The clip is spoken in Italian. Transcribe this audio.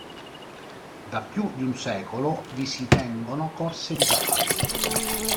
Da più di un secolo vi si tengono corse di cavalli.